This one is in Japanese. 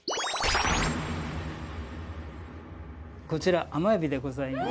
こちら甘えびでございます。